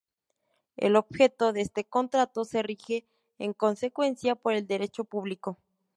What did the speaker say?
El objeto de este contrato se rige, en consecuencia, por el Derecho público.